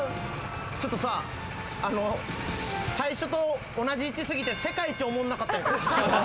ちょっとさ、最初と同じ位置すぎて世界一おもんなかったよ。